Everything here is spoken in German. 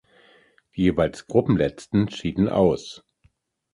Die jeweils Gruppenletzten schieden aus.